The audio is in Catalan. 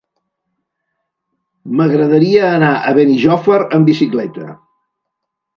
M'agradaria anar a Benijòfar amb bicicleta.